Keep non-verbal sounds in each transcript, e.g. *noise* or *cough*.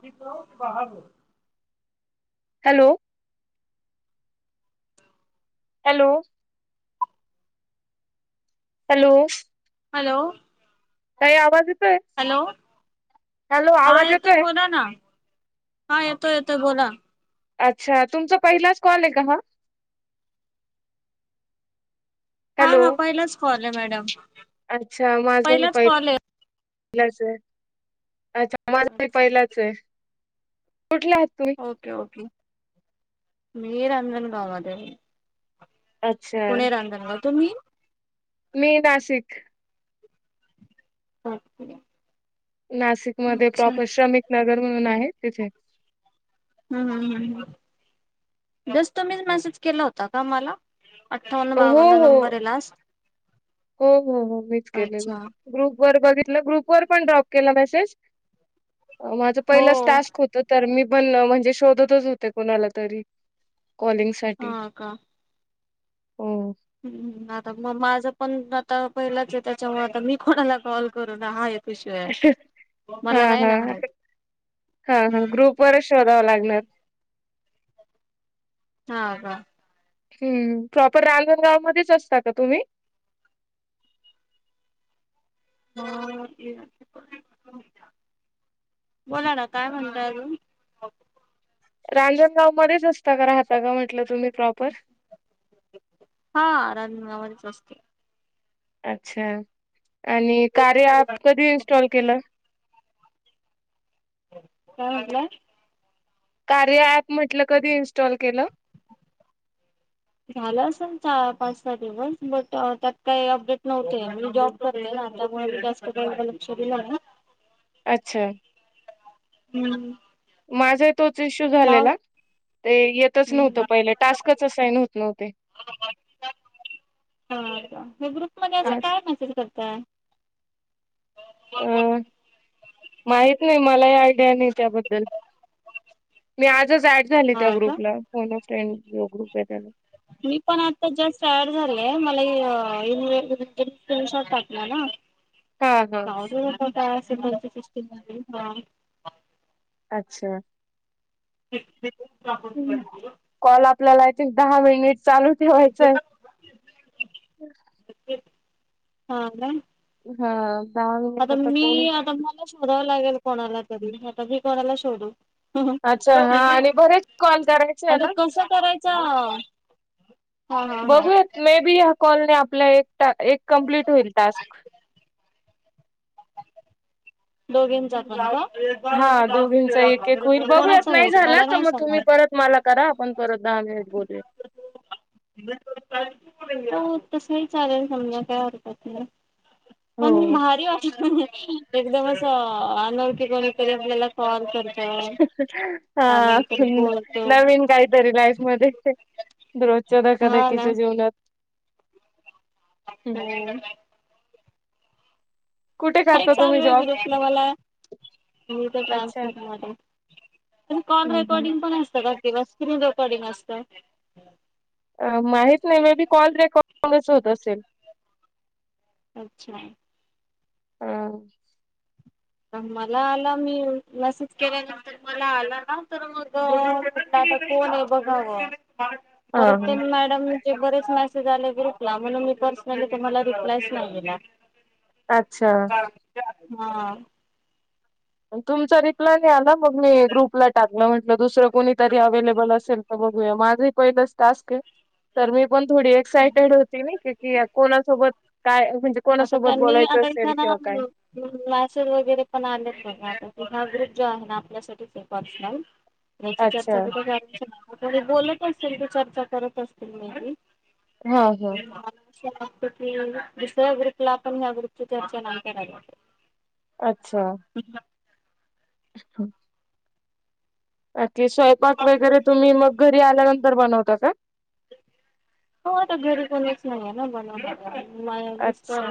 क बाहार *unintelligible* hello? Hello? Hello? Hello? काही आवाज येतोय? हॅलो हॅलो हा आवाज येतोय? बोला ना हा येतो येतोय बोला अच्छा तुमचा पहिलाच कॉल आहे का हा? हा हॅलो हा पहिलाच कॉल आहे मॅडम पहिलाच कॉल आहे पहिला च आहे, अच्छा माझा भी अच्छा पहिलाच आहे. कुठले आहात तुम्ही ओके ओके मी रंजनगाव मध्ये अच्छा. तू म्ही? मी नाशिक. ओके. नाशिकमध्येध्ये अच्छा प्रॉपर श्रमिक नगर म्हणून आहे तिथे. हम्म मम बस तुम्हीच मेसेज केला होता का मला? अठ्ठावन्न हो बावन्न हो नंबर आहे लास्ट हो हो हो मीच अच्छा केलेला, ग्रुप वर बघितलं ग्रुप पण ड्रॉप केला मेसेज माझा हो पहिलाच टास्क होता. तर मी पण म्हणजे शोधतच होते कोणाला तरी कॉलिंगसाठी. हम्् आता मग माझं. पण आता पहिलाच आहे, त्याच्यामुळे आता मी कोणाला कॉल करून हा विषय आहे हा मला नाही ना हा. माहित हा हा हम्म ग्रुप वरच शोधावं लागणार. हा का? हम्म प्रॉपर रांजणगाव मध्येच असता का तुम्ही? *unintelligible* हा. बोला ना काय म्हणताय अजून? रांजणगाव मध्येच राहता राहता का म्हटल तुम्ही प्रॉपर? हा रांजणगावातच असते. अच्छा आणि कार्य ऍप काय कधी इन्स्टॉल केलं? काय म्हंटल्या? कार्य ऍप म्हटलं कधी इन्स्टॉल केलं? झालं असेल पाच सहा दिवस बट त्यात काही अपडेट नव्हते मी जॉब करते ना त्यामुळे विकास *unintelligible* एवढं लक्ष दिलं ना अच्छा. हम्म. माझा आहे तोच इश्यू नाव झालेला. ते येतच हम्म नव्हतं हा पहिले टास्कच असाईंग होते नव्हते. हा ग्रुप मध्ये असं आज काय मेसेज करता. अ माहित नाही. मलाही आयडिया नाही त्याबद्दल मी आजच ऍड झाली त्या हा का ग्रुपला फोनफ ट्रड लो ग्रुप आहे त्याला मी पण आता जस्ट तयार झालेय मला दिवसात टाकणार ना हा हा ह मोट शमती सृष्ट ह *unintelligible* अच्छा. ह *unintelligible* ह् कॉल आपल्याला आहेथ दहा मिनिट चालू ठेवायचंय. हा ना. हा. दहा मिनिट आता मी कोण आता मला शोधावं लागेल कोणाला तरी आता मी कोणाला शोधू अच्छा हा आणि बरेच कॉल करायचे आहे आता कस करायच. बघूया मे बी ह कॉलने आपल्या कमप्लीट होईल टास्क. दोघेन ज हा दोघींचा एक एक होईल बघूयात नाही होईल झाला मला तर नाही मग तुम्ही समजलं. परत मला करा आपण परत दहा मिनिट बोलु या. हो तसही चालेल समजा काय हरकत नाही. हो पण भारी वाटल. एकदमच अनौखी कोणीकरी आपल्याला कॉल कर हा बोलतो नवीन काहीतरी लाईफ मध्ये रोजच्या धक्का हा धक्की च्या जीवनात. हम्म. कुठे काय करता तुम्ही चालू आहे जॉब? गुरसलं मला म तर अच्छा. ट्रान्सफोर म तर कॉल हम्म रेकॉर्डिंग पण असतं का तेव्हा स्क्रीन रेकॉर्डिंग असत. अ माहीत नाही मे बी कॉल रेकॉडंगच होत असेल. अच्छ ह मला आला मी मसेज केल्यानंतर मला आला ना तर मग. आता कोण आहे बघा हा परते हा मॅडम बरेच मेसेज आले ग्रुप ला म्हणून मी पर्सनली तुम्हाला रिप्लायच नाही दिला. अच्छा. हा. तुमचा रिप्लाय नाही आला मग मी ग्रुपला टाक तिला म्हटल दुसर कोणी तरी अवलेबल असेल तर बघू माझ पहिल टास्क ये तर मी. पण थोडी एक्सायटेड होती कि कोणासोबत. काय म्हणजे आता कोणासोबत त्यांनी बोलायचं इथ असेल ना किंवा काय मॅसेस वगैरे पण आले बघा आता की हा ग्रुप जो आहे ना आपल्यासाठीच पर्सनल त्याची अच्छा चर्चा कुट बोलत असतील ते चर्चा करत असतील म. हा हा. त की दुसऱ्या गुप ला आपण ह्या ग्रुप ची चर्चा नाही करायला पाहिजे. अच्छा. छ *inaudible* स्वयंपाक वगैरे तुम्ही मग घरी आल्यानंतर बनवता का. हो आता घरी कोणीच नाहीये ना बनव मा मिस्त अच्छा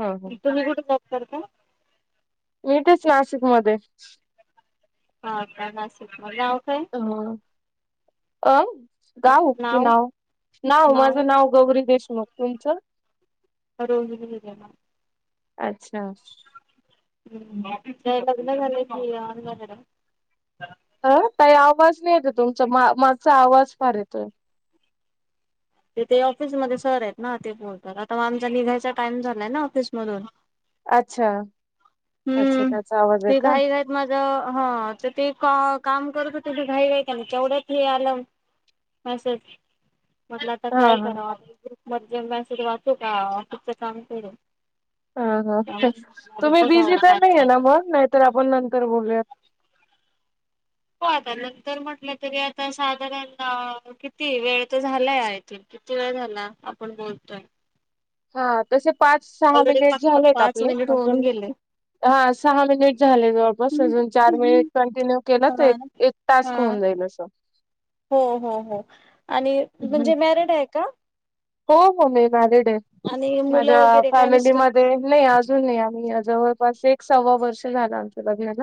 हा हा तुम्ही कुठ. करत मी इतेच नाशिक मधे ह का नाशिक मधे हम अं गाऊ क नाव नाव माझं नाव गौरी देशमुख. तुमचं? रोहिणी हिरेमठ. अच्छा अ लग्न झालंय की अनमर्रीड आहे? ह काही आवाज नाही येते तुमचा मागच आवाज फार येतोय. तेथे ऑफिसमध्येध्ये सर आहेत ना ते बोलतात आता आमचा निघायचा टाइम झालाय ना ऑफिसमधून अच्छा अच्छा हम्म त्याचा आवाज आहे ते का घाई घाईत माझ हा तर ते का काम करत तुझी घाई व त्या तेवढ्यात हे आलं मसेज मटलं आता हा काय हा करावं ग्रुप मध्ये जे मस वाचू का ऑफिसच काम करू? हा हा त्यामुळे तुम्ही बिझी बघावं तर काय नाही आहे ना चाललंय मग नाहीतर आपण नंतर बोलूया हो आता नंतर म्हटलं तरी आता साधारण किती वेळ तर झालाय आय थिंक किती वेळ झाला आपण बोलतोय. हा तसे पाच सहा ऑलरेडी मिनिट झालेत पाच आपले मिनिट होऊन गेले म्ह हा सहा मिनिट झाले जवळपास अजून चार मिनिट हा कंटिन्यू केलं तर एक टास्क हा होऊन जात इ लस हो हो हो आणि म्हणजे मॅरेड आहे का? हो हो मी मॅरिड आहे, आणि माझ्या मुलं वगैरे काय मिस्टर फॅमिलीमध्ये नाही अजून नाही आम्ही जवळपास एक सव्वा वर्ष झालं आमचं लग्नाला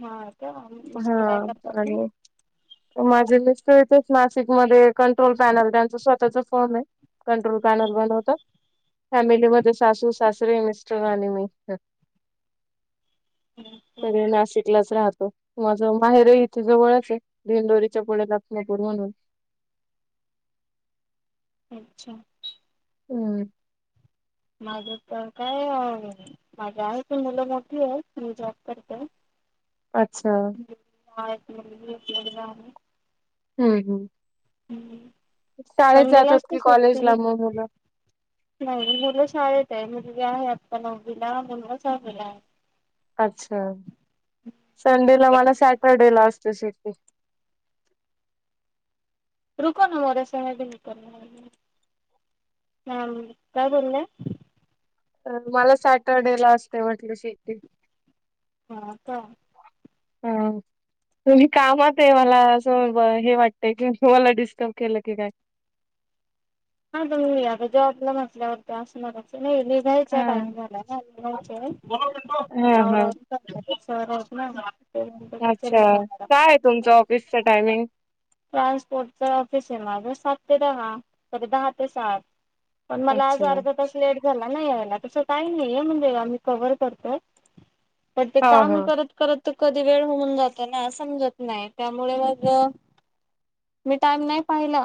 हा का मिस्टर काय हा करतात? त इथच नासिकमध्ये कंट्रोल पॅनल त्यांचा स्वतःचा फॉर्म आहे. कंट्रोल पॅनल बंद होत फॅमिलीमध्ये सासू सासरीे मिस्टर आणि मी सगळे नाशिकलाच राहतो माझ माहेर इथे जवळच आहे भेंदोडीच्या पुढे लखनपूर म्हणून *inaudible* अच्छा हम्म माझ तर काय माझ आहे तर मुलं मोठी आहेत मी जॉब करते. अच्छा हेत रेत जा *inaudible* हम्म हम् हम संडेला असते की सुट्टी, कॉलेजला मग मुलं नाही *inaudible* मुलं शाळेत आहे. आहे आत्ता नववीला मुलगा सहावीला आहे. अच्छा संडेला मला सॅटरडे ला असते सु ट्टी रुको ना मोद्या स करणार *inaudible* ह काय बोलले? अ मला सॅटरडे ला असते म्हटलं सुट्टी. हा का हा तुम्ही कामात आहे मला असं हे वाटतय कि तुम्हाला डिस्टर्ब केलं की काय हा तुम्ही आता जॉबला म्हंटल्यावर्ती असंणार नाही निघायचा हा टाइम झाला निघायचे हा आता हा आवरावर करणार अच्छा काय आहे तुमच ऑफिसच टायमिंग? ट्रान्सपोर्टच ऑफिस आहे माझ सात ते दहा सॉरी दहा ते सात पण मला आज अच्छा अर्धा तास लेट झाला ना यायला तस काही नाही म्हणजे आम्ही कव्हर करतो. पण ते हा हा काम करत करत. त कधी वेळ होऊन जातो ना समजत नाही त्यामुळे मग मी टाइम नाही पाहिला.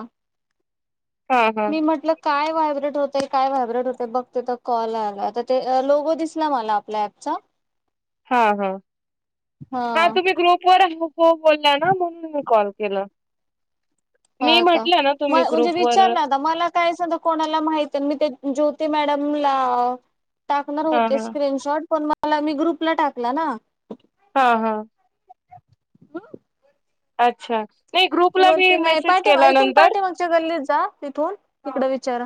ह ह. मी म्हटलं काय व्हायब्रेंट होते काय व्हायब्रेट होते बघते त कॉल आला त ते लोगो दिसला मला आपल्या ऑप चा. हा हा हा तुम्ही ग्रुप वर आह हो बोल्या ना म्हणून मी कॉल केला. मी हा का म्हटलं ना म तुम्ही म्हणजे ग्रुपवर विचारन आता मला काय सद्या कोणाला माहिती मी ते ज्योती मॅडम ला टाकणार हा होते हा स्क्रीनशॉट पण म मला मी ग्रुपला टाकला ना. ह ह. हम *inaudible* अच्छा. नाही ग्रुपला मी वरती नाही मेसेज पाठीमा केला इथून नंतर पाठीमागच्या गल्लीत जा तिथून तिकड विचा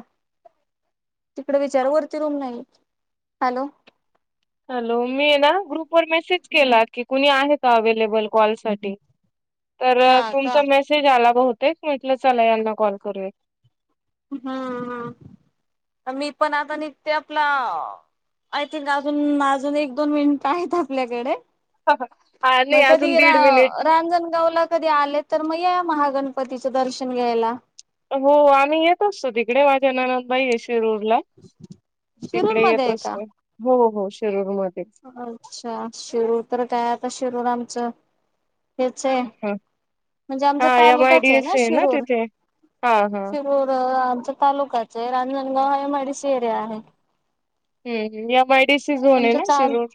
तिकडे विचार वरती रूम नाही. हॅलो. हॅलो मी ना ग्रुप वर मेसेज केला की कुणी आहे का अवे्लेबल कॉल साठी. तर हा का तुमचा मेसेज आला बहुतेक. म्हटलं चला यांना कॉल करूया. ह ह मी पण आता निघते आपला आय थिंक अजून अजून एक दोन मिनिट आहेत आपल्याकडे हा नाही मग अजून कधी रा दीड मिनिट रांजणगाव ला कधी आले तर मग या. महागणपतीचं दर्शन घ्यायला. हो आम्ही येत असतो तिकडे माझ्या ननंदबाईये. शिरूर ला शिरूर तिकडे मध्ये येत आहे का? असतो हो हो शिरूर मध्ये अच्छा शिरूर तर काय आता शिरूर आमचं हे चे. हा म्हणजे हा आमचा एम आय डी तालुकाचे ना सी आहे शिरूर तिथे हा हा. शिरूर अ तालुकाचे रांजणगाव एमआयडी सि एरिया आहे. हम् एमआयडीसी जवळे आमचं ना चाल Shirur.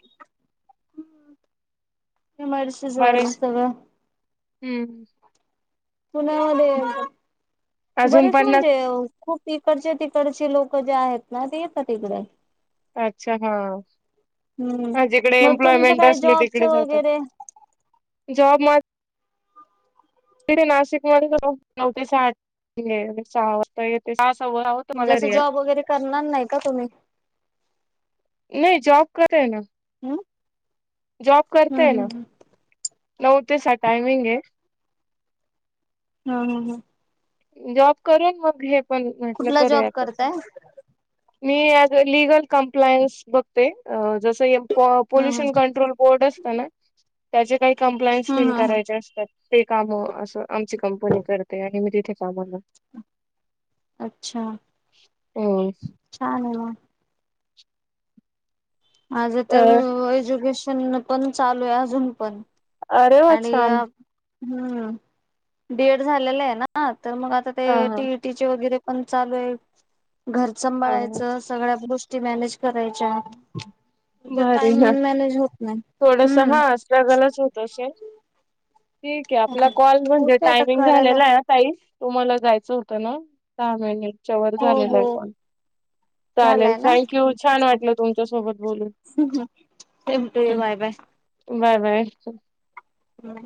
M I D C जवळ बाराशे सगळ. हम्म. पुण्यामध्ये अजून बरेच पन्नास म्हणजे खूप इकडचे तिकडचे लोक जे आहेत ना ते येत इकडे. अच्छा हा. हम्म हा जिकडे मग तुमचं एम्प्लॉयमेंट काय असली जॉबच तिकडे जातात. वगैरे जॉब म इकडे नाशिक मध्ये नऊ ते सहा सुट्टीये मी सहा वाजता येते हो आवडतो म्हणजे मला असं एरीया. जॉब वगैरे करणार नाही का तुम्ही? नही. जॉब करेय ना. ह. जॉब करताय ना नऊ ते सहा टायमिंगे. हा ह ह. जॉब करून मग हे पण म्हटलं कुठला करूया जॉब तस करताय? मी एज अ लीगल कंप्लायन्स बघते. अ जसं हे पो हम्म हम्म पोल्युशन कंट्रोल बोर्ड असतं ना त्याचे काही कंप्लायन्स हम्म फील हम्म हम्म करायचे असतात. ते काम अस आमची कंपनी करते आणि म ते *unintelligible* अच्छा हम्म छाने म. माझ तर अ एज्युकेशन पण चालूये अजून पण. अरे वा आणि छान. हम्म डी एड झालेलं आहे ना तर मग आता ते हा हा टीईटी चे वगैरे पण चालू आहे घर हा हा. सांभाळायचं सगळ्या गोष्टी मॅनेज करायच्या. ते भारी टाईम ना मॅनेज होत नाही थोडस हम्म. हा स्ट्रगलच होत असेल ठीक आहे आपला कॉल म्हणजे होते आता टायमिंग करायला झालेला आहे अ ताई. तुम्हाला जायचं होतं ना टायमिंग हो झालेला हो असेल चालेल झालाय ना थँक्यू ठीक आहे छान वाटलं तुमच्या सोबत बोलून. *unintelligible* Bye bye. Bye bye. हम्.